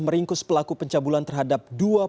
meringkus pelaku pencabulan terhadap